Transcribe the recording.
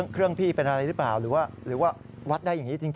เครื่องพี่เป็นอะไรหรือเปล่าหรือว่าวัดได้อย่างนี้จริง